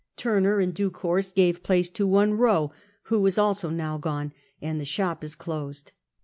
Turner in due course gave j)lace to one Eow, who is also now gone, and the shop is closed.